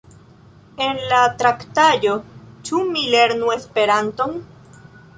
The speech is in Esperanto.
En la traktaĵo Ĉu mi lernu Esperanton?